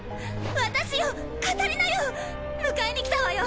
私よカタリナよ迎えに来たわよ！